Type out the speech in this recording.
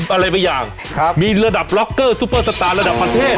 อะไรบางอย่างมีระดับล็อกเกอร์ซุปเปอร์สตาร์ระดับประเทศ